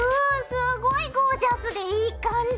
すごいゴージャスでいい感じ。